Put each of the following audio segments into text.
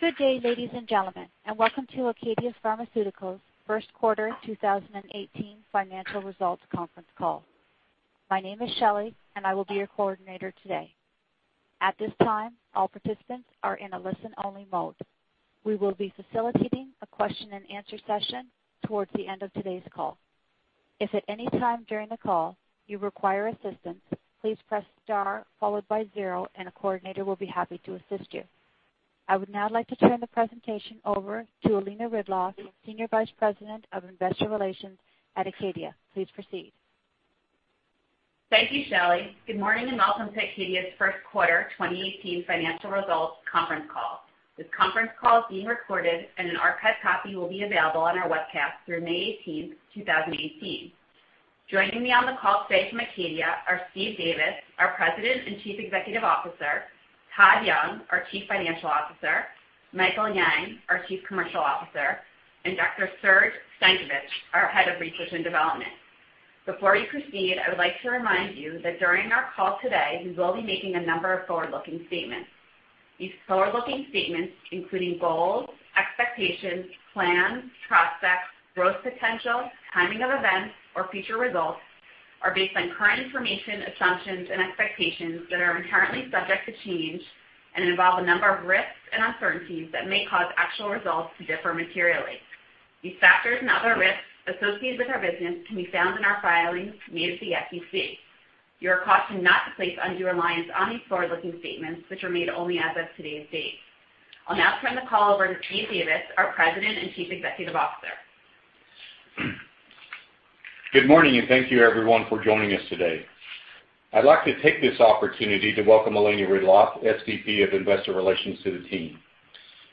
Good day, ladies and gentlemen, and welcome to ACADIA Pharmaceuticals' first quarter 2018 financial results conference call. My name is Shelley, and I will be your coordinator today. At this time, all participants are in a listen-only mode. We will be facilitating a question and answer session towards the end of today's call. If at any time during the call you require assistance, please press star followed by zero, and a coordinator will be happy to assist you. I would now like to turn the presentation over to Elena Ridloff, Senior Vice President of Investor Relations at ACADIA. Please proceed. Thank you, Shelley. Good morning, and welcome to ACADIA's first quarter 2018 financial results conference call. This conference call is being recorded, and an archived copy will be available on our webcast through May 18th, 2018. Joining me on the call today from ACADIA are Steve Davis, our President and Chief Executive Officer; Todd Young, our Chief Financial Officer; Michael Yang, our Chief Commercial Officer; and Dr. Serge Stankovic, our Head of Research and Development. Before we proceed, I would like to remind you that during our call today, we will be making a number of forward-looking statements. These forward-looking statements, including goals, expectations, plans, prospects, growth, potential timing of events, or future results, are based on current information, assumptions and expectations that are inherently subject to change and involve a number of risks and uncertainties that may cause actual results to differ materially. These factors and other risks associated with our business can be found in our filings made with the SEC. You are cautioned not to place undue reliance on these forward-looking statements, which are made only as of today's date. I'll now turn the call over to Steve Davis, our President and Chief Executive Officer. Good morning, and thank you, everyone, for joining us today. I'd like to take this opportunity to welcome Elena Ridloff, SVP of Investor Relations, to the team.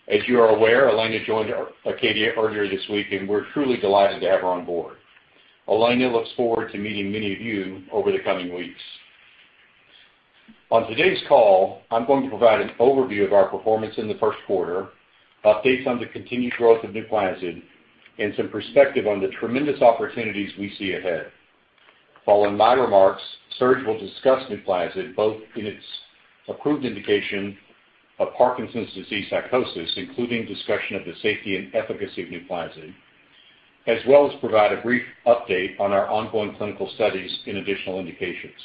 As you are aware, Elena joined ACADIA earlier this week, and we're truly delighted to have her on board. Elena looks forward to meeting many of you over the coming weeks. On today's call, I'm going to provide an overview of our performance in the first quarter, updates on the continued growth of NUPLAZID, and some perspective on the tremendous opportunities we see ahead. Following my remarks, Serge will discuss NUPLAZID both in its approved indication of Parkinson's disease psychosis, including discussion of the safety and efficacy of NUPLAZID, as well as provide a brief update on our ongoing clinical studies in additional indications.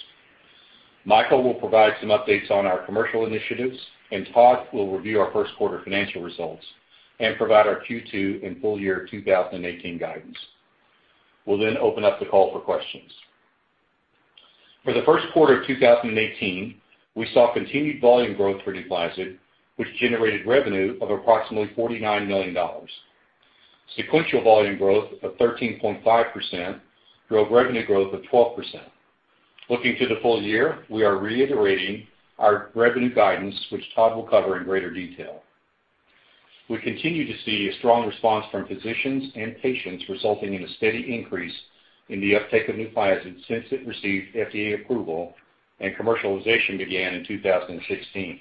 Michael will provide some updates on our commercial initiatives. Todd will review our first quarter financial results and provide our Q2 and full year 2018 guidance. We will then open up the call for questions. For the first quarter of 2018, we saw continued volume growth for NUPLAZID, which generated revenue of approximately $49 million. Sequential volume growth of 13.5% drove revenue growth of 12%. Looking to the full year, we are reiterating our revenue guidance, which Todd will cover in greater detail. We continue to see a strong response from physicians and patients, resulting in a steady increase in the uptake of NUPLAZID since it received FDA approval and commercialization began in 2016.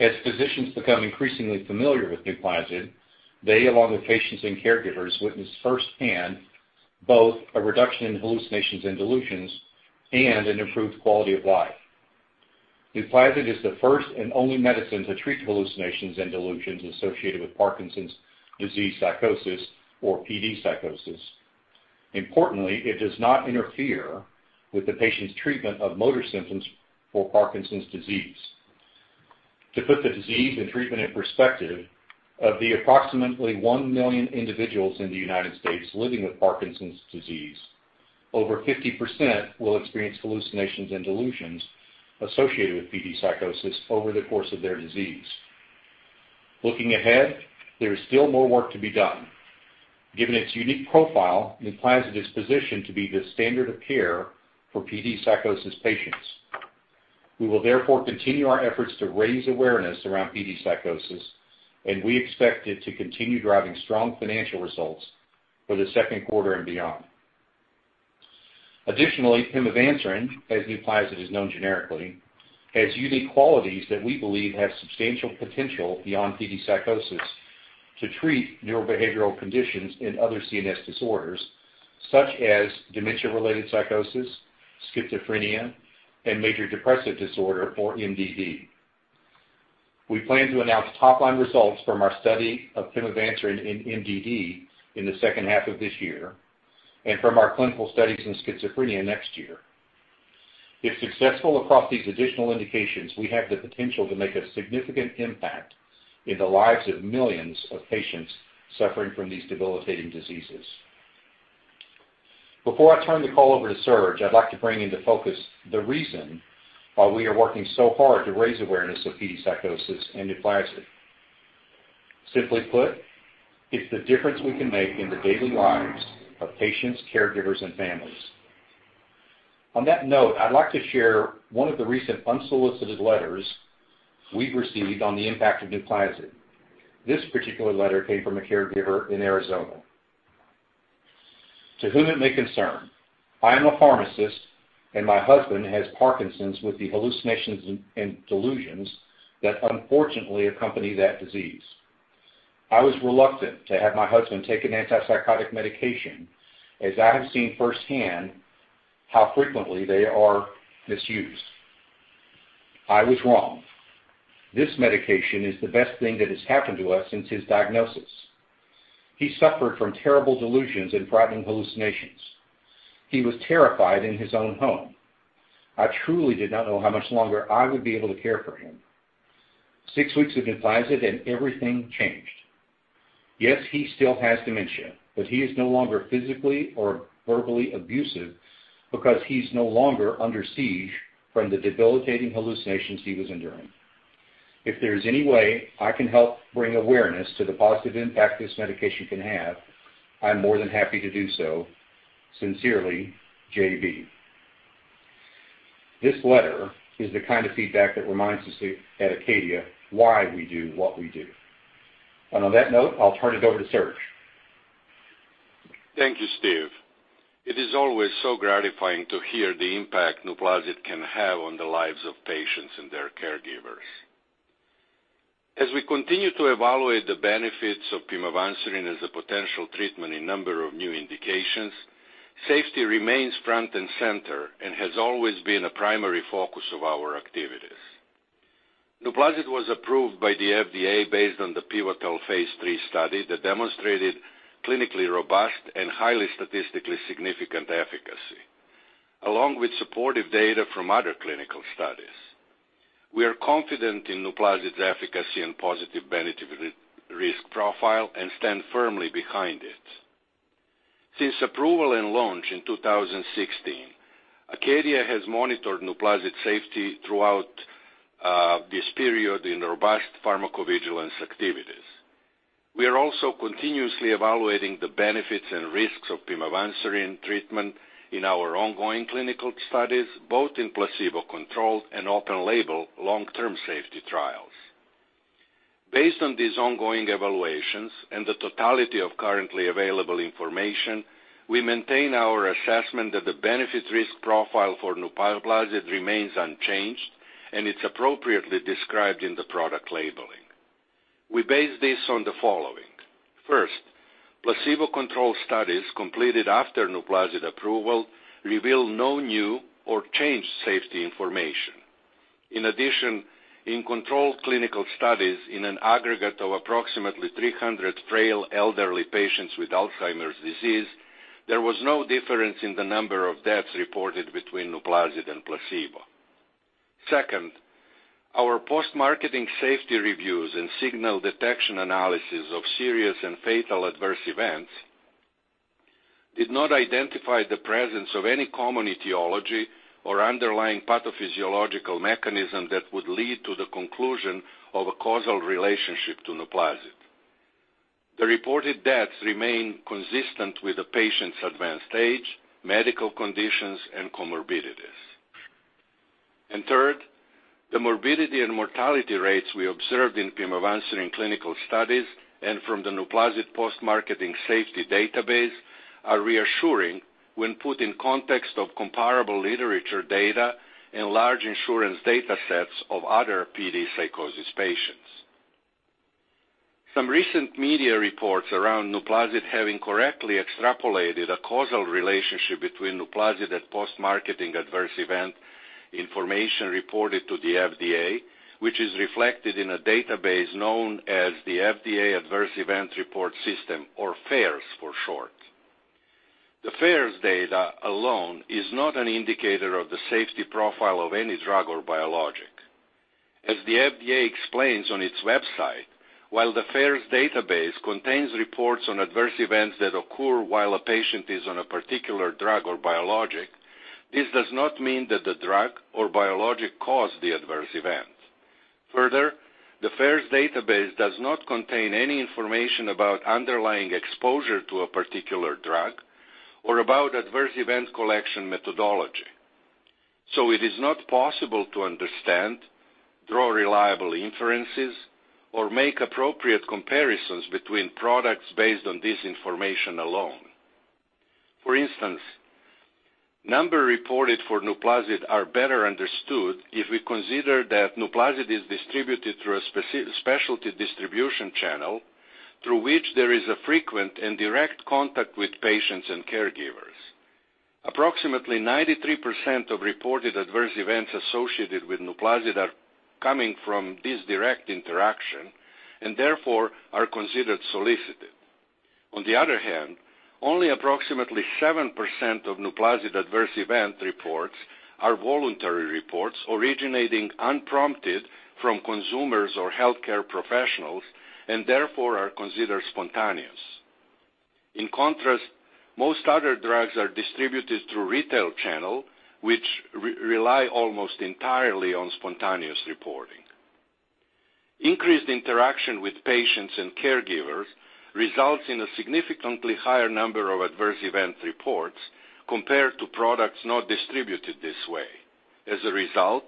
As physicians become increasingly familiar with NUPLAZID, they, along with patients and caregivers, witness firsthand both a reduction in hallucinations and delusions and an improved quality of life. NUPLAZID is the first and only medicine to treat hallucinations and delusions associated with Parkinson's disease psychosis, or PDP. Importantly, it does not interfere with the patient's treatment of motor symptoms for Parkinson's disease. To put the disease and treatment in perspective, of the approximately 1 million individuals in the U.S. living with Parkinson's disease, over 50% will experience hallucinations and delusions associated with PDP over the course of their disease. Looking ahead, there is still more work to be done. Given its unique profile, NUPLAZID is positioned to be the standard of care for PDP patients. We will therefore continue our efforts to raise awareness around PDP. We expect it to continue driving strong financial results for the second quarter and beyond. Additionally, pimavanserin, as NUPLAZID is known generically, has unique qualities that we believe have substantial potential beyond PDP to treat neurobehavioral conditions in other CNS disorders such as dementia-related psychosis, schizophrenia, and major depressive disorder, or MDD. We plan to announce top-line results from our study of pimavanserin in MDD in the second half of this year and from our clinical studies in schizophrenia next year. If successful across these additional indications, we have the potential to make a significant impact in the lives of millions of patients suffering from these debilitating diseases. Before I turn the call over to Serge, I'd like to bring into focus the reason why we are working so hard to raise awareness of PDP and NUPLAZID. Simply put, it's the difference we can make in the daily lives of patients, caregivers, and families. On that note, I'd like to share one of the recent unsolicited letters we've received on the impact of NUPLAZID. This particular letter came from a caregiver in Arizona. "To whom it may concern. I am a pharmacist. My husband has Parkinson's, with the hallucinations and delusions that unfortunately accompany that disease. I was reluctant to have my husband take an antipsychotic medication as I have seen firsthand how frequently they are misused. I was wrong. This medication is the best thing that has happened to us since his diagnosis. He suffered from terrible delusions and frightening hallucinations. He was terrified in his own home. I truly did not know how much longer I would be able to care for him. 6 weeks of NUPLAZID. Everything changed. Yes, he still has dementia, but he is no longer physically or verbally abusive because he's no longer under siege from the debilitating hallucinations he was enduring. If there is any way I can help bring awareness to the positive impact this medication can have, I'm more than happy to do so. Sincerely, J.B." This letter is the kind of feedback that reminds us at ACADIA why we do what we do. On that note, I'll turn it over to Serge. Thank you, Steve. It is always so gratifying to hear the impact NUPLAZID can have on the lives of patients and their caregivers. As we continue to evaluate the benefits of pimavanserin as a potential treatment in a number of new indications, safety remains front and center and has always been a primary focus of our activities. NUPLAZID was approved by the FDA based on the pivotal phase III study that demonstrated clinically robust and highly statistically significant efficacy, along with supportive data from other clinical studies. We are confident in NUPLAZID's efficacy and positive benefit risk profile, and stand firmly behind it. Since approval and launch in 2016, ACADIA has monitored NUPLAZID's safety throughout this period in robust pharmacovigilance activities. We are also continuously evaluating the benefits and risks of pimavanserin treatment in our ongoing clinical studies, both in placebo-controlled and open-label long-term safety trials. Based on these ongoing evaluations and the totality of currently available information, we maintain our assessment that the benefit risk profile for NUPLAZID remains unchanged and it's appropriately described in the product labeling. We base this on the following. First, placebo-controlled studies completed after NUPLAZID approval revealed no new or changed safety information. In addition, in controlled clinical studies in an aggregate of approximately 300 frail elderly patients with Alzheimer's disease, there was no difference in the number of deaths reported between NUPLAZID and placebo. Second, our post-marketing safety reviews and signal detection analysis of serious and fatal adverse events did not identify the presence of any common etiology or underlying pathophysiological mechanism that would lead to the conclusion of a causal relationship to NUPLAZID. The reported deaths remain consistent with the patient's advanced age, medical conditions, and comorbidities. Third, the morbidity and mortality rates we observed in pimavanserin clinical studies and from the NUPLAZID post-marketing safety database are reassuring when put in context of comparable literature data and large insurance data sets of other PD psychosis patients. Some recent media reports around NUPLAZID have incorrectly extrapolated a causal relationship between NUPLAZID and post-marketing adverse event information reported to the FDA, which is reflected in a database known as the FDA Adverse Event Reporting System, or FAERS for short. The FAERS data alone is not an indicator of the safety profile of any drug or biologic. As the FDA explains on its website, while the FAERS database contains reports on adverse events that occur while a patient is on a particular drug or biologic, this does not mean that the drug or biologic caused the adverse event. Further, the FAERS database does not contain any information about underlying exposure to a particular drug or about adverse event collection methodology. It is not possible to understand, draw reliable inferences, or make appropriate comparisons between products based on this information alone. For instance, number reported for NUPLAZID are better understood if we consider that NUPLAZID is distributed through a specialty distribution channel, through which there is a frequent and direct contact with patients and caregivers. Approximately 93% of reported adverse events associated with NUPLAZID are coming from this direct interaction and therefore are considered solicited. On the other hand, only approximately 7% of NUPLAZID adverse event reports are voluntary reports originating unprompted from consumers or healthcare professionals, and therefore are considered spontaneous. In contrast, most other drugs are distributed through retail channel, which rely almost entirely on spontaneous reporting. Increased interaction with patients and caregivers results in a significantly higher number of adverse event reports compared to products not distributed this way. As a result,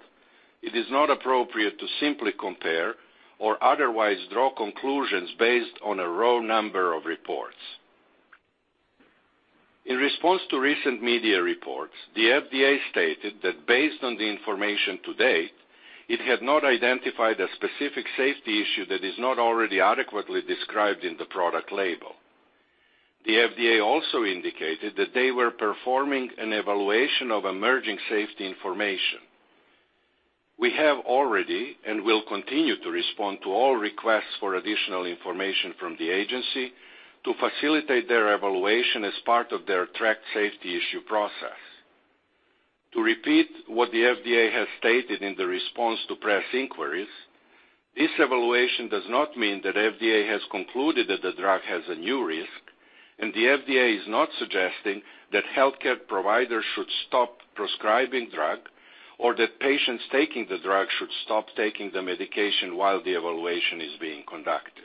it is not appropriate to simply compare or otherwise draw conclusions based on a raw number of reports. In response to recent media reports, the FDA stated that based on the information to date, it had not identified a specific safety issue that is not already adequately described in the product label. The FDA also indicated that they were performing an evaluation of emerging safety information. We have already, and will continue to respond to all requests for additional information from the agency to facilitate their evaluation as part of their track safety issue process. To repeat what the FDA has stated in the response to press inquiries, this evaluation does not mean that FDA has concluded that the drug has a new risk, and the FDA is not suggesting that healthcare providers should stop prescribing drug or that patients taking the drug should stop taking the medication while the evaluation is being conducted.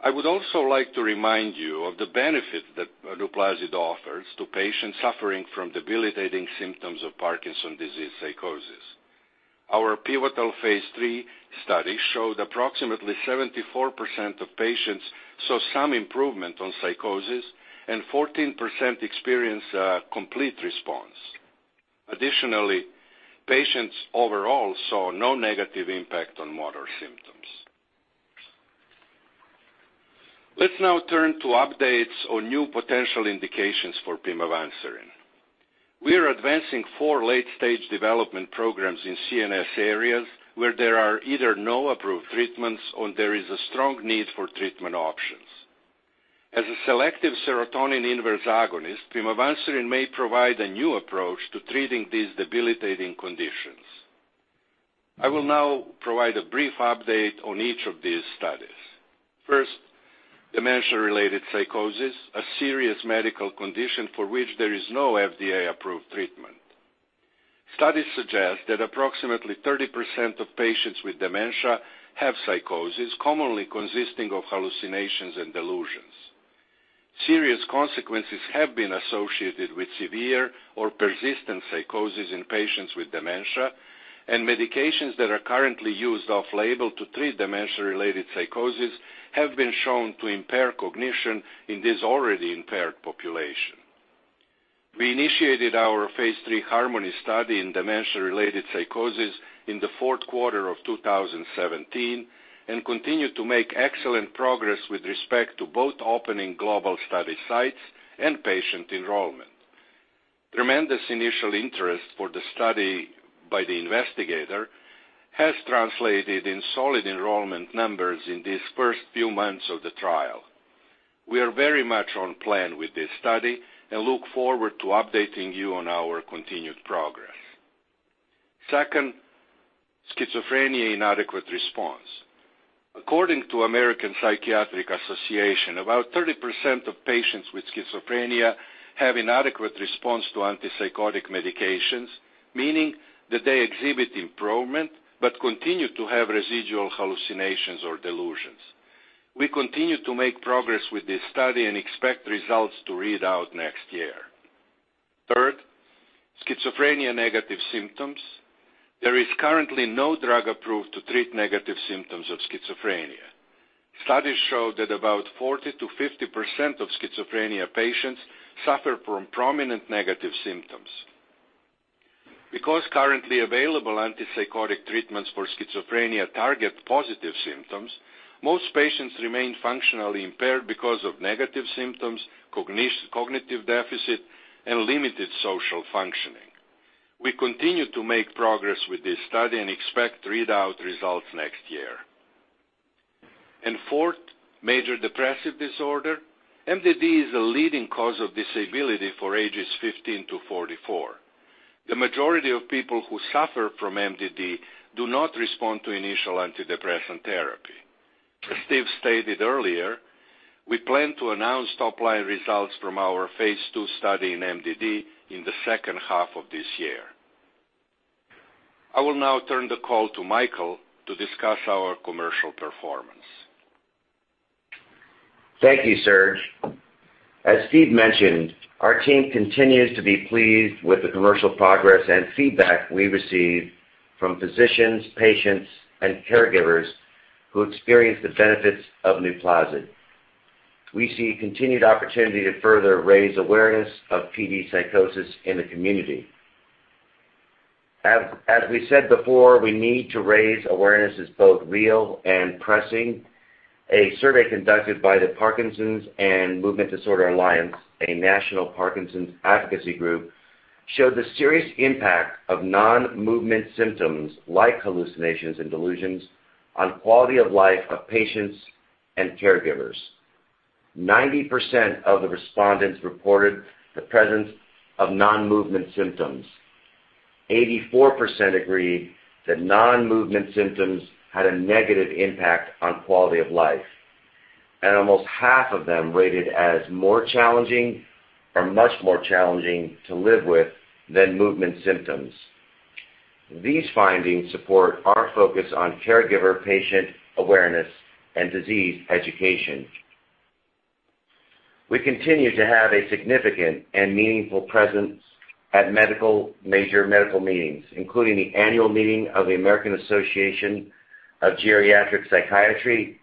I would also like to remind you of the benefit that NUPLAZID offers to patients suffering from debilitating symptoms of Parkinson's disease psychosis. Our pivotal phase III study showed approximately 74% of patients saw some improvement on psychosis and 14% experienced a complete response. Additionally, patients overall saw no negative impact on motor symptoms. Let's now turn to updates on new potential indications for pimavanserin. We are advancing four late-stage development programs in CNS areas where there are either no approved treatments or there is a strong need for treatment options. As a selective serotonin inverse agonist, pimavanserin may provide a new approach to treating these debilitating conditions. I will now provide a brief update on each of these studies. First, dementia-related psychosis, a serious medical condition for which there is no FDA-approved treatment. Studies suggest that approximately 30% of patients with dementia have psychosis, commonly consisting of hallucinations and delusions. Serious consequences have been associated with severe or persistent psychosis in patients with dementia, and medications that are currently used off-label to treat dementia-related psychosis have been shown to impair cognition in this already impaired population. We initiated our phase III HARMONY study in dementia-related psychosis in the fourth quarter of 2017 and continue to make excellent progress with respect to both opening global study sites and patient enrollment. Tremendous initial interest for the study by the investigator has translated in solid enrollment numbers in these first few months of the trial. We are very much on plan with this study and look forward to updating you on our continued progress. Second, schizophrenia inadequate response. According to American Psychiatric Association, about 30% of patients with schizophrenia have inadequate response to antipsychotic medications, meaning that they exhibit improvement but continue to have residual hallucinations or delusions. We continue to make progress with this study and expect results to read out next year. Third, schizophrenia negative symptoms. There is currently no drug approved to treat negative symptoms of schizophrenia. Studies show that about 40%-50% of schizophrenia patients suffer from prominent negative symptoms. Because currently available antipsychotic treatments for schizophrenia target positive symptoms, most patients remain functionally impaired because of negative symptoms, cognitive deficit, and limited social functioning. We continue to make progress with this study and expect readout results next year. Fourth, major depressive disorder. MDD is a leading cause of disability for ages 15 to 44. The majority of people who suffer from MDD do not respond to initial antidepressant therapy. As Steve stated earlier, we plan to announce top-line results from our phase II study in MDD in the second half of this year. I will now turn the call to Michael to discuss our commercial performance. Thank you, Serge. As Steve mentioned, our team continues to be pleased with the commercial progress and feedback we receive from physicians, patients, and caregivers who experience the benefits of NUPLAZID. We see continued opportunity to further raise awareness of PD psychosis in the community. As we said before, we need to raise awareness is both real and pressing. A survey conducted by the Parkinson & Movement Disorder Alliance, a national Parkinson's advocacy group, showed the serious impact of non-movement symptoms like hallucinations and delusions on quality of life of patients and caregivers. 90% of the respondents reported the presence of non-movement symptoms. 84% agreed that non-movement symptoms had a negative impact on quality of life, and almost half of them rated as more challenging or much more challenging to live with than movement symptoms. These findings support our focus on caregiver-patient awareness and disease education. We continue to have a significant and meaningful presence At medical major medical meetings, including the annual meeting of the American Association for Geriatric Psychiatry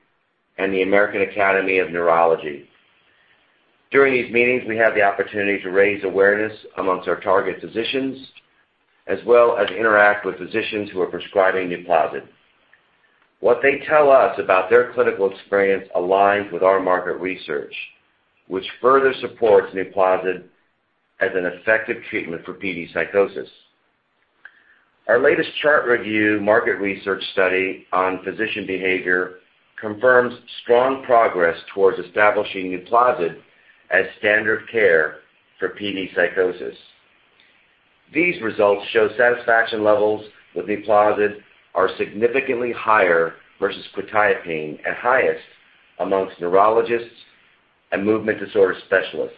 and the American Academy of Neurology. During these meetings, we have the opportunity to raise awareness amongst our target physicians, as well as interact with physicians who are prescribing NUPLAZID. What they tell us about their clinical experience aligns with our market research, which further supports NUPLAZID as an effective treatment for PD psychosis. Our latest chart review market research study on physician behavior confirms strong progress towards establishing NUPLAZID as standard care for PD psychosis. These results show satisfaction levels with NUPLAZID are significantly higher versus quetiapine, and highest amongst neurologists and movement disorder specialists.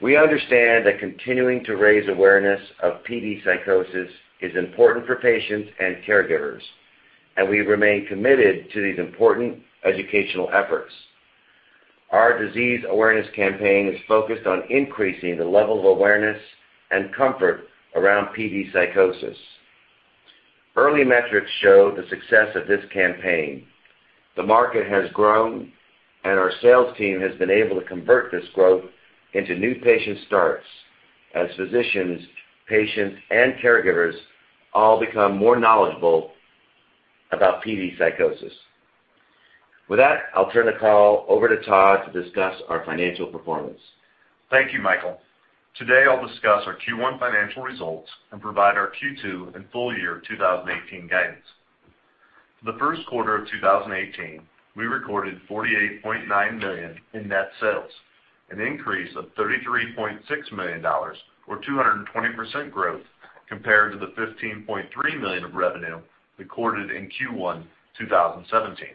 We understand that continuing to raise awareness of PD psychosis is important for patients and caregivers, and we remain committed to these important educational efforts. Our disease awareness campaign is focused on increasing the level of awareness and comfort around PD psychosis. Early metrics show the success of this campaign. The market has grown, and our sales team has been able to convert this growth into new patient starts as physicians, patients, and caregivers all become more knowledgeable about PD psychosis. With that, I'll turn the call over to Todd to discuss our financial performance. Thank you, Michael. Today, I'll discuss our Q1 financial results and provide our Q2 and full year 2018 guidance. For the first quarter of 2018, we recorded $48.9 million in net sales, an increase of $33.6 million or 220% growth compared to the $15.3 million of revenue recorded in Q1 2017.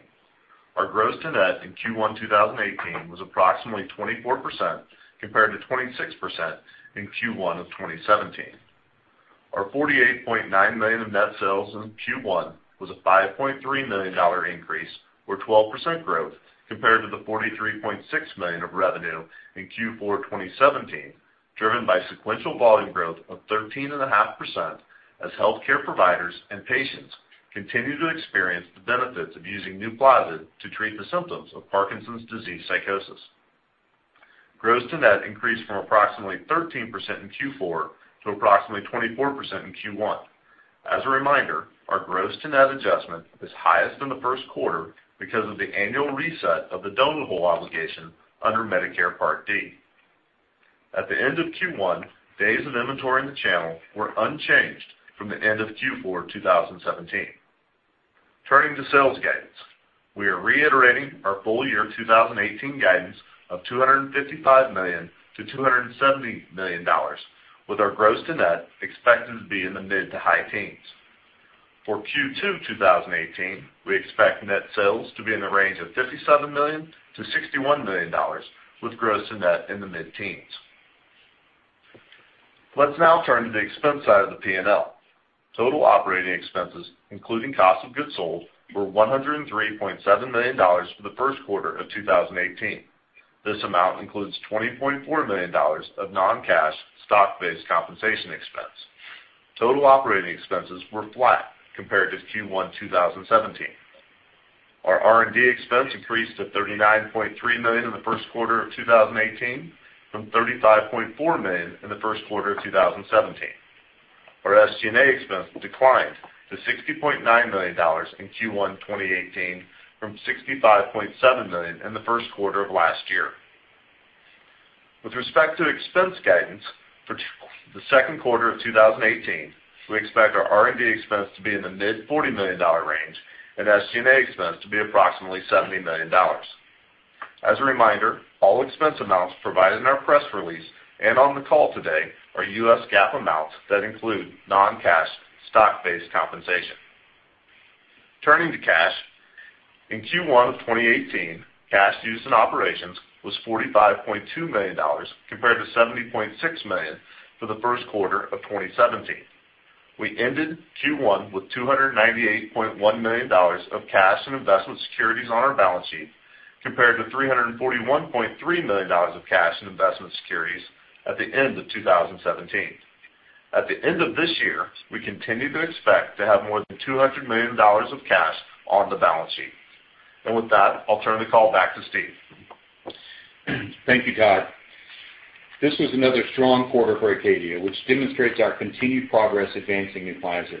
Our gross to net in Q1 2018 was approximately 24% compared to 26% in Q1 of 2017. Our $48.9 million of net sales in Q1 was a $5.3 million increase or 12% growth compared to the $43.6 million of revenue in Q4 2017, driven by sequential volume growth of 13.5% as healthcare providers and patients continue to experience the benefits of using NUPLAZID to treat the symptoms of Parkinson's disease psychosis. Gross to net increased from approximately 13% in Q4 to approximately 24% in Q1. As a reminder, our gross to net adjustment is highest in the first quarter because of the annual reset of the donut hole obligation under Medicare Part D. At the end of Q1, days of inventory in the channel were unchanged from the end of Q4 2017. Turning to sales guidance. We are reiterating our full year 2018 guidance of $255 million-$270 million with our gross to net expected to be in the mid to high teens. For Q2 2018, we expect net sales to be in the range of $57 million-$61 million with gross to net in the mid-teens. Let's now turn to the expense side of the P&L. Total operating expenses, including cost of goods sold, were $103.7 million for the first quarter of 2018. This amount includes $20.4 million of non-cash stock-based compensation expense. Total operating expenses were flat compared to Q1 2017. Our R&D expense increased to $39.3 million in the first quarter of 2018 from $35.4 million in the first quarter of 2017. Our SG&A expense declined to $60.9 million in Q1 2018 from $65.7 million in the first quarter of last year. With respect to expense guidance for the second quarter of 2018, we expect our R&D expense to be in the mid $40 million range and SG&A expense to be approximately $70 million. As a reminder, all expense amounts provided in our press release and on the call today are U.S. GAAP amounts that include non-cash stock-based compensation. Turning to cash. In Q1 of 2018, cash used in operations was $45.2 million compared to $70.6 million for the first quarter of 2017. We ended Q1 with $298.1 million of cash and investment securities on our balance sheet, compared to $341.3 million of cash and investment securities at the end of 2017. At the end of this year, we continue to expect to have more than $200 million of cash on the balance sheet. With that, I'll turn the call back to Steve. Thank you, Todd. This was another strong quarter for ACADIA, which demonstrates our continued progress advancing NUPLAZID.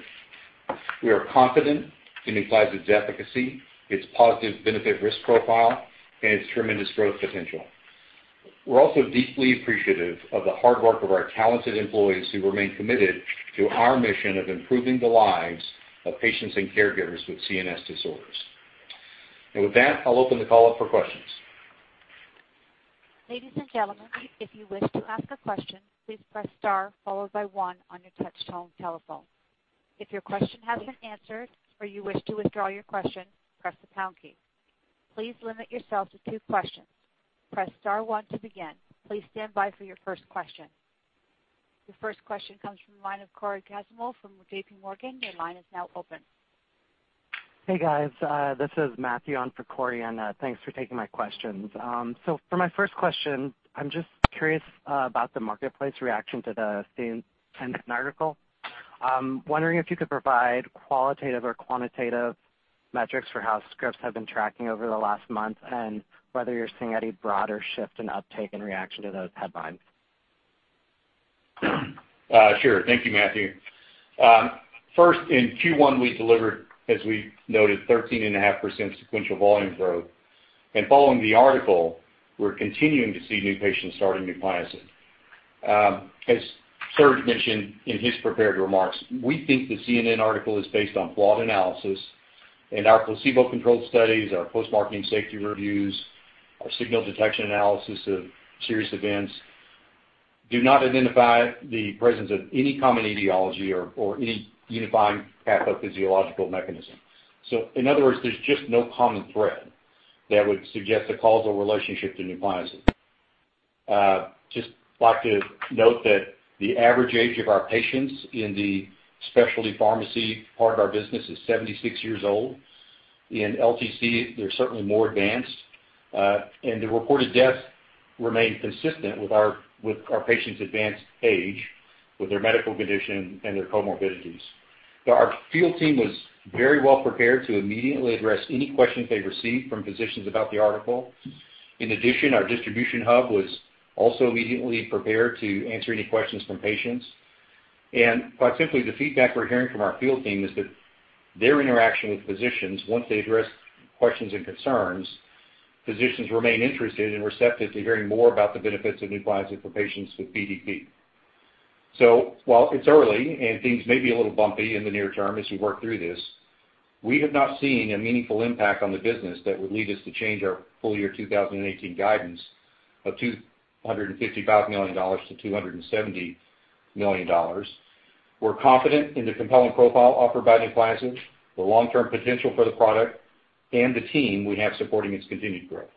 We are confident in NUPLAZID's efficacy, its positive benefit/risk profile, and its tremendous growth potential. We're also deeply appreciative of the hard work of our talented employees who remain committed to our mission of improving the lives of patients and caregivers with CNS disorders. With that, I'll open the call up for questions. Ladies and gentlemen, if you wish to ask a question, please press star followed by one on your touchtone telephone. If your question has been answered or you wish to withdraw your question, press the pound key. Please limit yourself to two questions. Press star one to begin. Please stand by for your first question. Your first question comes from the line of Cory Kasimov from J.P. Morgan. Your line is now open. Hey, guys. This is Matthew on for Cory Kasimov. Thanks for taking my questions. For my first question, I'm just curious about the marketplace reaction to the CNN article. I'm wondering if you could provide qualitative or quantitative metrics for how scripts have been tracking over the last month and whether you're seeing any broader shift in uptake in reaction to those headlines. Sure. Thank you, Matthew. First, in Q1, we delivered, as we noted, 13.5% sequential volume growth. Following the article, we're continuing to see new patients starting NUPLAZID. As Serge mentioned in his prepared remarks, we think the CNN article is based on flawed analysis. Our placebo-controlled studies, our post-marketing safety reviews, our signal detection analysis of serious events do not identify the presence of any common etiology or any unifying pathophysiological mechanism. In other words, there's just no common thread that would suggest a causal relationship to NUPLAZID. Just like to note that the average age of our patients in the specialty pharmacy part of our business is 76 years old. In LTC, they're certainly more advanced. The reported deaths remain consistent with our patients' advanced age, with their medical condition, and their comorbidities. Our field team was very well prepared to immediately address any questions they received from physicians about the article. In addition, our distribution hub was also immediately prepared to answer any questions from patients. Quite simply, the feedback we're hearing from our field team is that their interaction with physicians, once they address questions and concerns, physicians remain interested and receptive to hearing more about the benefits of NUPLAZID for patients with PDP. While it's early and things may be a little bumpy in the near term as we work through this, we have not seen a meaningful impact on the business that would lead us to change our full-year 2018 guidance of $255 million to $270 million. We're confident in the compelling profile offered by NUPLAZID, the long-term potential for the product, and the team we have supporting its continued growth.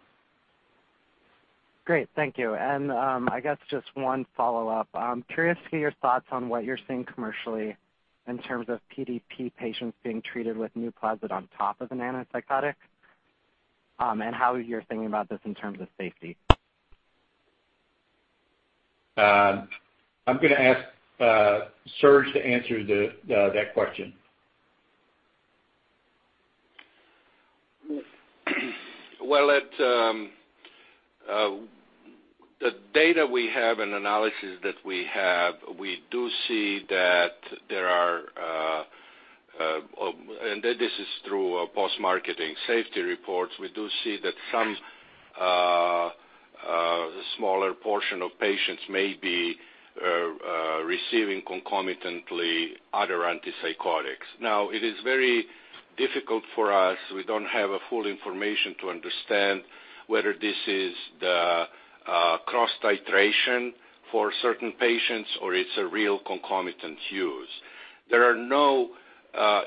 Great. Thank you. I guess just one follow-up. I'm curious to hear your thoughts on what you're seeing commercially in terms of PDP patients being treated with NUPLAZID on top of an antipsychotic, and how you're thinking about this in terms of safety. I'm going to ask Serge to answer that question. Well, the data we have and analysis that we have, and this is through post-marketing safety reports, we do see that some smaller portion of patients may be receiving concomitantly other antipsychotics. Now, it is very difficult for us. We don't have full information to understand whether this is the cross-titration for certain patients or it's a real concomitant use. There are no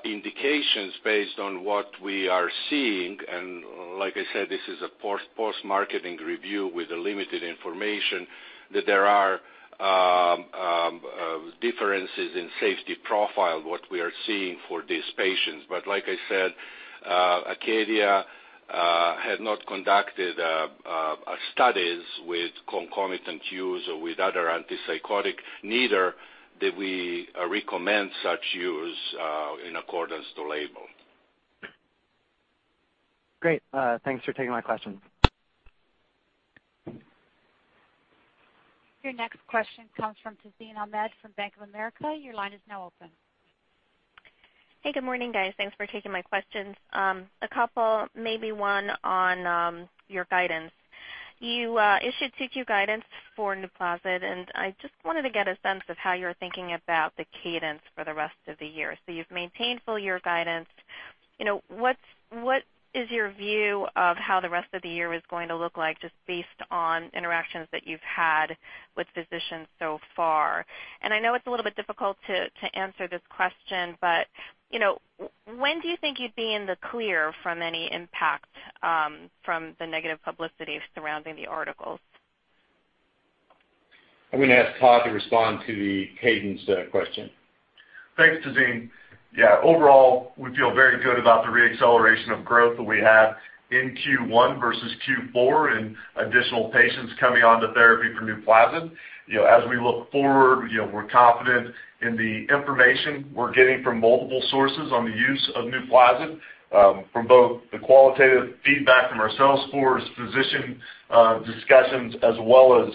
indications based on what we are seeing, and like I said, this is a post-marketing review with limited information, that there are differences in safety profile what we are seeing for these patients. But like I said, ACADIA had not conducted studies with concomitant use or with other antipsychotic, neither did we recommend such use in accordance to label. Great. Thanks for taking my question. Your next question comes from Tazeen Ahmad from Bank of America. Your line is now open. Hey, good morning, guys. Thanks for taking my questions. A couple, maybe one on your guidance. You issued 2Q guidance for NUPLAZID, and I just wanted to get a sense of how you're thinking about the cadence for the rest of the year. You've maintained full-year guidance. What is your view of how the rest of the year is going to look like just based on interactions that you've had with physicians so far? I know it's a little bit difficult to answer this question, but when do you think you'd be in the clear from any impact from the negative publicity surrounding the articles? I'm going to ask Todd to respond to the cadence question. Thanks, Tazeen. Yeah, overall, we feel very good about the re-acceleration of growth that we had in Q1 versus Q4 and additional patients coming onto therapy for NUPLAZID. As we look forward, we're confident in the information we're getting from multiple sources on the use of NUPLAZID from both the qualitative feedback from our sales force, physician discussions, as well as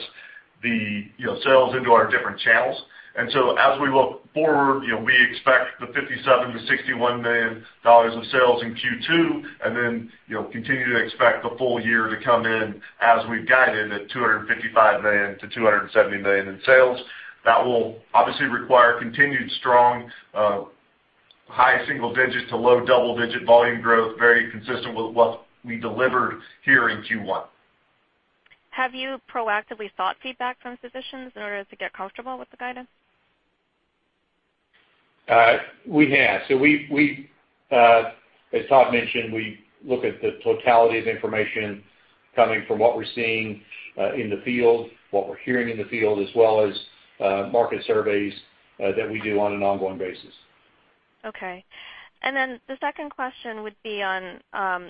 the sales into our different channels. As we look forward, we expect the $57 million-$61 million of sales in Q2. Then continue to expect the full year to come in as we've guided at $255 million-$270 million in sales. That will obviously require continued strong high single digits to low double-digit volume growth, very consistent with what we delivered here in Q1. Have you proactively sought feedback from physicians in order to get comfortable with the guidance? We have. As Todd mentioned, we look at the totality of the information coming from what we're seeing in the field, what we're hearing in the field, as well as market surveys that we do on an ongoing basis. Okay. The second question would be on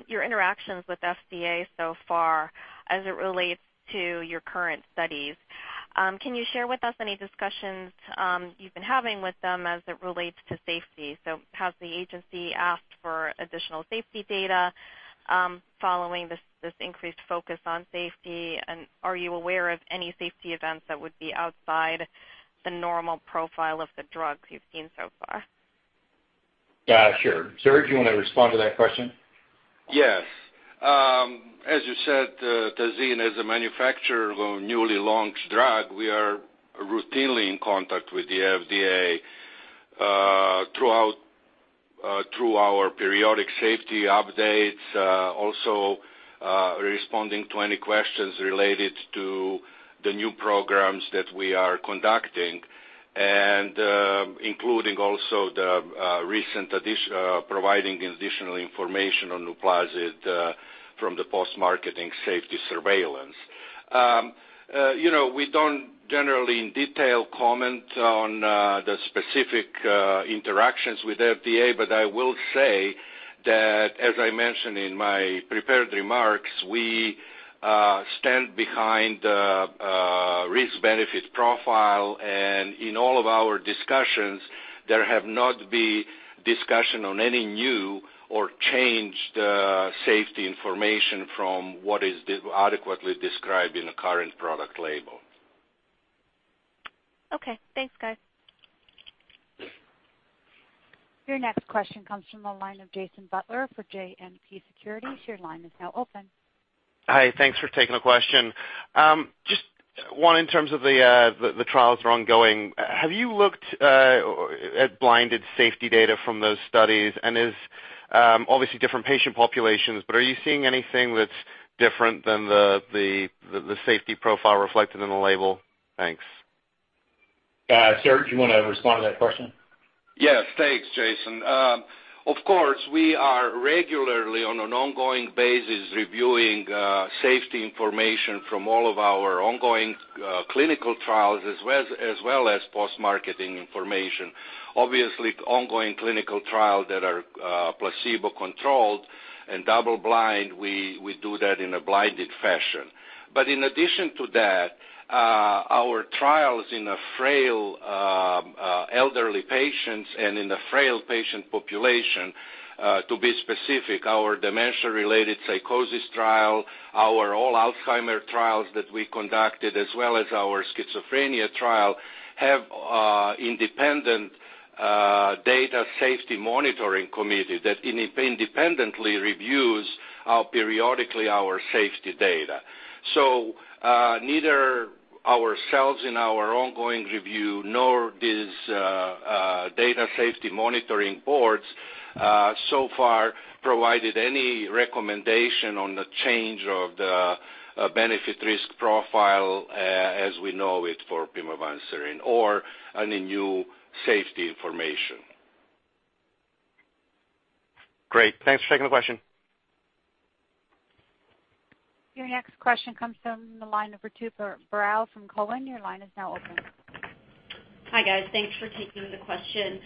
your interactions with FDA so far as it relates to your current studies. Can you share with us any discussions you've been having with them as it relates to safety? Has the agency asked for additional safety data following this increased focus on safety, and are you aware of any safety events that would be outside the normal profile of the drugs you've seen so far? Yeah, sure. Serge, you want to respond to that question? Yes. As you said, Tazeen, as a manufacturer of a newly launched drug, we are routinely in contact with the FDA through our periodic safety updates, also responding to any questions related to the new programs that we are conducting, including also providing the additional information on NUPLAZID from the post-marketing safety surveillance. We don't generally, in detail, comment on the specific interactions with FDA, I will say that, as I mentioned in my prepared remarks, we stand behind the risk-benefit profile, in all of our discussions, there have not been discussion on any new or changed safety information from what is adequately described in the current product label. Okay, thanks, guys. Your next question comes from the line of Jason Butler for JMP Securities. Your line is now open. Hi, thanks for taking the question. Just one in terms of the trials are ongoing. Have you looked at blinded safety data from those studies, and obviously different patient populations, but are you seeing anything that's different than the safety profile reflected in the label? Thanks. Serge, do you want to respond to that question? Yes. Thanks, Jason. Of course, we are regularly, on an ongoing basis, reviewing safety information from all of our ongoing clinical trials as well as post-marketing information. Obviously, the ongoing clinical trial that are placebo-controlled and double-blind, we do that in a blinded fashion. In addition to that, our trials in the frail elderly patients and in the frail patient population, to be specific, our dementia-related psychosis trial, our all Alzheimer's trials that we conducted, as well as our schizophrenia trial, have independent data safety monitoring committee that independently reviews periodically our safety data. Neither ourselves in our ongoing review nor these data safety monitoring boards so far provided any recommendation on the change of the benefit risk profile as we know it for pimavanserin or any new safety information. Great. Thanks for taking the question. Your next question comes from the line number 2 for Baral from Cowen. Your line is now open. Hi, guys. Thanks for taking the question.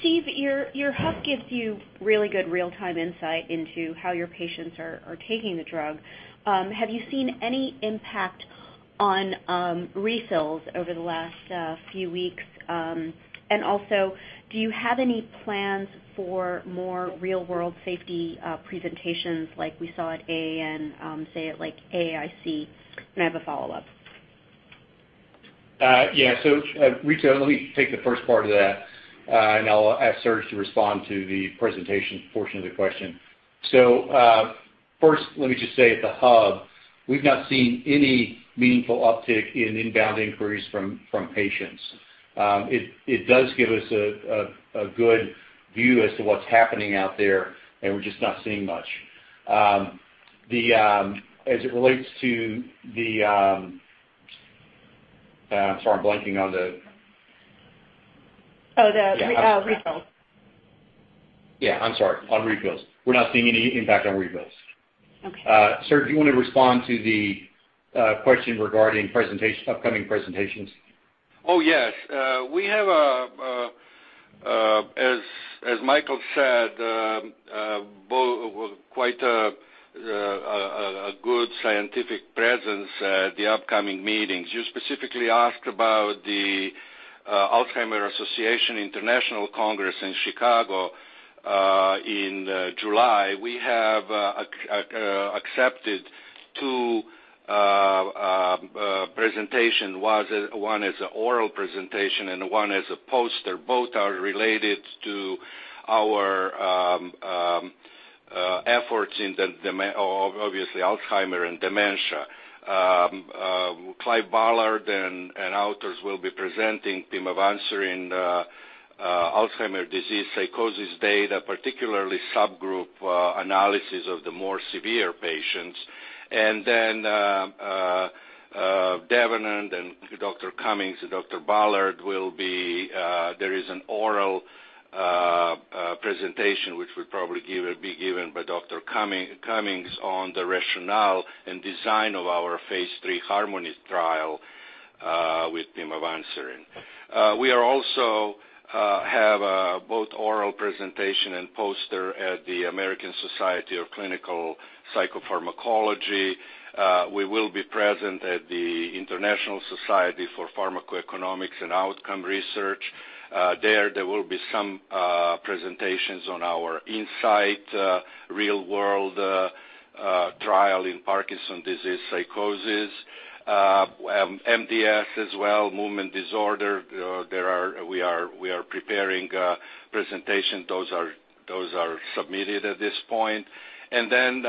Steve, your hub gives you really good real-time insight into how your patients are taking the drug. Have you seen any impact on refills over the last few weeks? Also, do you have any plans for more real-world safety presentations like we saw at AA and say at like, AAIC? I have a follow-up. Yeah. Ritu, let me take the first part of that, and I'll ask Serge to respond to the presentation portion of the question. First, let me just say at the hub, we've not seen any meaningful uptick in inbound inquiries from patients. It does give us a good view as to what's happening out there, and we're just not seeing much. As it relates to the, I'm sorry, I'm blanking on the. Oh, the refills. Yeah, I'm sorry. On refills. We're not seeing any impact on refills. Okay. Serge, you want to respond to the question regarding upcoming presentations? Oh, yes. We have, as Michael said, quite a good scientific presence at the upcoming meetings. You specifically asked about the Alzheimer's Association International Congress in Chicago in July. We have accepted two presentation. One is an oral presentation and one is a poster. Both are related to our efforts in obviously Alzheimer's and dementia. Clive Ballard and authors will be presenting pimavanserin Alzheimer's disease psychosis data, particularly subgroup analysis of the more severe patients. Devanand and Dr. Cummings and Dr. Ballard will be, there is an oral presentation which will probably be given by Dr. Cummings on the rationale and design of our phase III HARMONY trial with pimavanserin. We also have both oral presentation and poster at the American Society of Clinical Psychopharmacology. We will be present at the International Society for Pharmacoeconomics and Outcomes Research. There will be some presentations on our INSIGHT real-world trial in Parkinson's disease psychosis. MDS as well, movement disorder. We are preparing a presentation. Those are submitted at this point. Then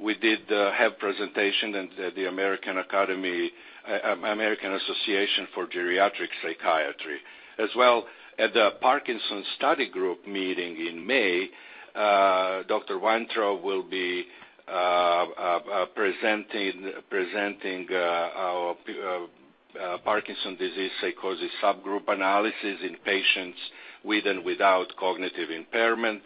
we did have presentation at the American Association for Geriatric Psychiatry. As well at the Parkinson Study Group meeting in May, Dr. Vantrow will be presenting our Parkinson's disease psychosis subgroup analysis in patients with and without cognitive impairment.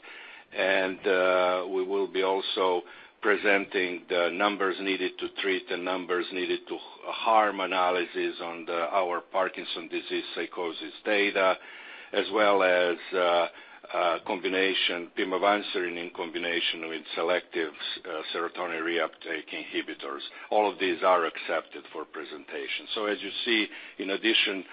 We will be also presenting the numbers needed to treat, the numbers needed to harm analysis on our Parkinson's disease psychosis data, as well as pimavanserin in combination with selective serotonin reuptake inhibitors. All of these are accepted for presentation. As you see, in addition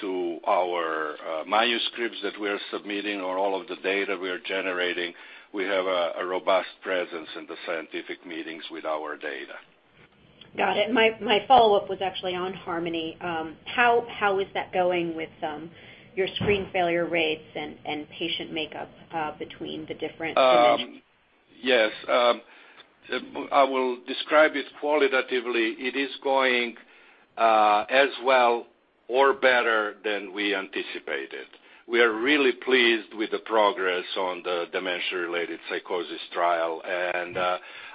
to our manuscripts that we're submitting or all of the data we are generating, we have a robust presence in the scientific meetings with our data. Got it. My follow-up was actually on HARMONY. How is that going with your screen failure rates and patient makeup between the different dimensions? Yes. I will describe it qualitatively. It is going as well or better than we anticipated. We are really pleased with the progress on the dementia-related psychosis trial, and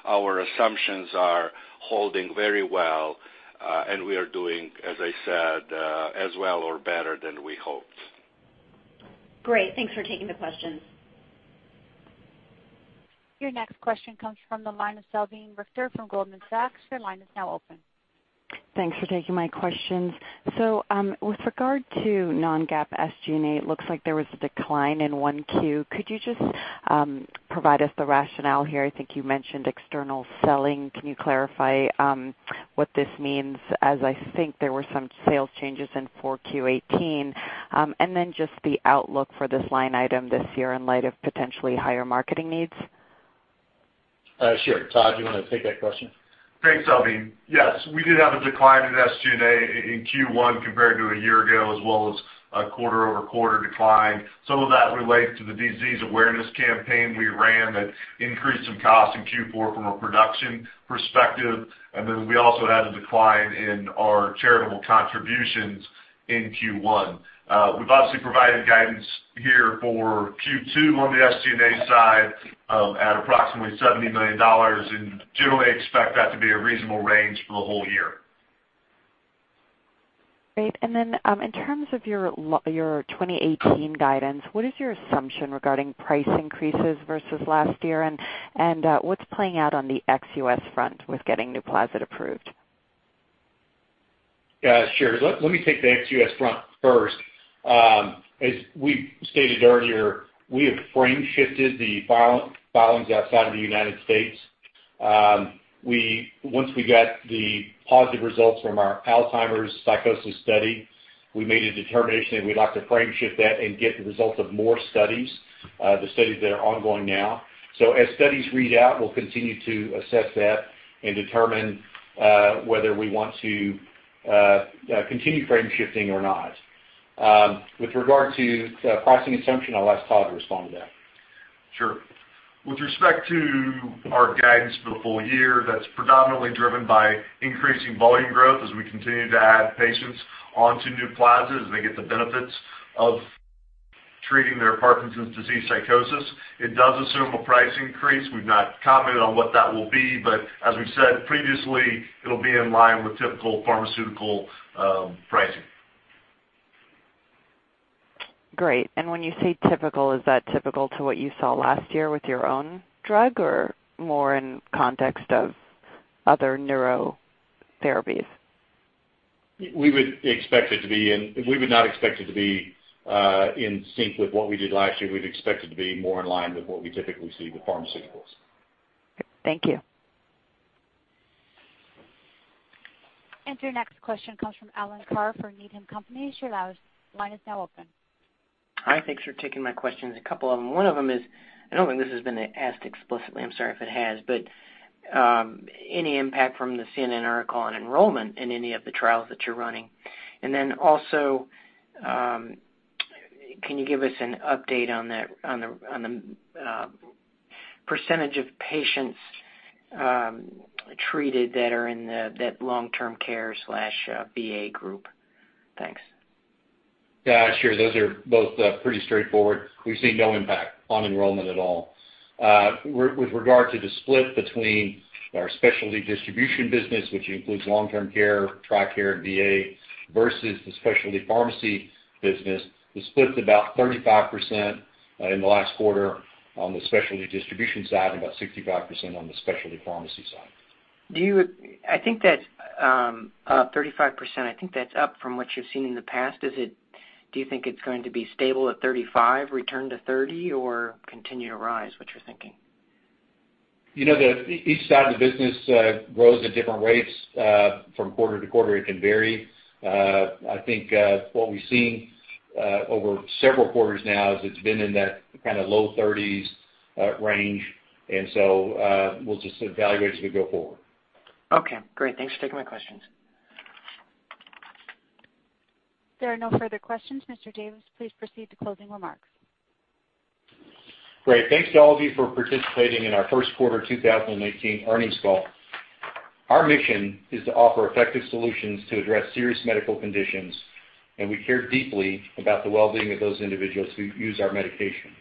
our assumptions are holding very well. We are doing, as I said, as well or better than we hoped. Great. Thanks for taking the questions. Your next question comes from the line of Salveen Richter from Goldman Sachs. Your line is now open. Thanks for taking my questions. With regard to non-GAAP SG&A, it looks like there was a decline in 1Q. Could you just provide us the rationale here? I think you mentioned external selling. Can you clarify what this means as I think there were some sales changes in 4Q 2018? The outlook for this line item this year in light of potentially higher marketing needs. Sure. Todd, do you want to take that question? Thanks, Salveen. Yes, we did have a decline in SG&A in Q1 compared to a year ago, as well as a quarter-over-quarter decline. Some of that relates to the disease awareness campaign we ran that increased some costs in Q4 from a production perspective. We also had a decline in our charitable contributions in Q1. We've obviously provided guidance here for Q2 on the SG&A side of at approximately $70 million, and generally expect that to be a reasonable range for the whole year. Great. In terms of your 2018 guidance, what is your assumption regarding price increases versus last year? What's playing out on the ex-U.S. front with getting NUPLAZID approved? Sure. Let me take the ex-U.S. front first. As we stated earlier, we have frame shifted the filings outside of the United States. Once we got the positive results from our Alzheimer's psychosis study, we made a determination that we'd like to frame shift that and get the results of more studies, the studies that are ongoing now. As studies read out, we'll continue to assess that and determine whether we want to continue frame shifting or not. With regard to pricing assumption, I'll ask Todd to respond to that. Sure. With respect to our guidance for the full year, that's predominantly driven by increasing volume growth as we continue to add patients onto NUPLAZID as they get the benefits of treating their Parkinson's disease psychosis. It does assume a price increase. We've not commented on what that will be, but as we said previously, it'll be in line with typical pharmaceutical pricing. Great. When you say typical, is that typical to what you saw last year with your own drug or more in context of other neuro therapies? We would not expect it to be in sync with what we did last year. We'd expect it to be more in line with what we typically see with pharmaceuticals. Thank you. Your next question comes from Alan Carr for Needham & Company. Your line is now open. Hi, thanks for taking my questions, a couple of them. One of them is, I don't think this has been asked explicitly, I'm sorry if it has, but any impact from the CNN article on enrollment in any of the trials that you're running? Also can you give us an update on the percentage of patients treated that are in that long-term care/VA group? Thanks. Yeah, sure. Those are both pretty straightforward. We've seen no impact on enrollment at all. With regard to the split between our specialty distribution business, which includes long-term care, TRICARE, and VA, versus the specialty pharmacy business, the split's about 35% in the last quarter on the specialty distribution side and about 65% on the specialty pharmacy side. I think that 35%, I think that's up from what you've seen in the past. Do you think it's going to be stable at 35, return to 30, or continue to rise? What's your thinking? Each side of the business grows at different rates. From quarter to quarter, it can vary. I think, what we've seen over several quarters now is it's been in that low thirties range. We'll just evaluate as we go forward. Okay, great. Thanks for taking my questions. There are no further questions, Mr. Davis. Please proceed to closing remarks. Great. Thanks to all of you for participating in our first quarter 2018 earnings call. Our mission is to offer effective solutions to address serious medical conditions, and we care deeply about the well-being of those individuals who use our medication.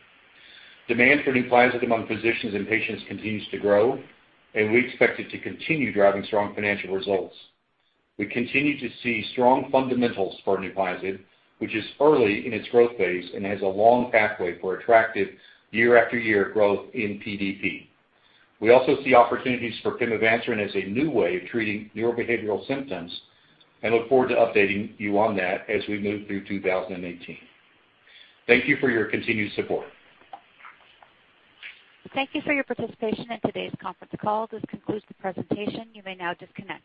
Demand for NUPLAZID among physicians and patients continues to grow, and we expect it to continue driving strong financial results. We continue to see strong fundamentals for NUPLAZID, which is early in its growth phase and has a long pathway for attractive year after year growth in PDP. We also see opportunities for pimavanserin as a new way of treating neurobehavioral symptoms and look forward to updating you on that as we move through 2018. Thank you for your continued support. Thank you for your participation in today's conference call. This concludes the presentation. You may now disconnect.